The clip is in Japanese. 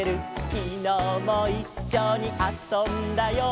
「きのうもいっしょにあそんだよ」